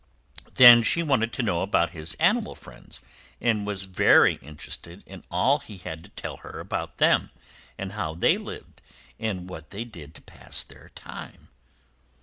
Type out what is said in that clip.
Then she wanted to know about his animal friends, and was very interested in all he had to tell her about them and how they lived, and what they did to pass their time.